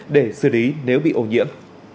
để xử lý nếu bị ổ nhiễm